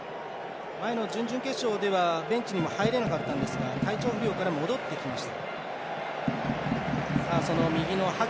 前の準々決勝ではベンチにも入れなかったんですが体調不良から戻ってきました。